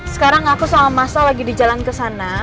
sekarang aku sama masa lagi di jalan kesana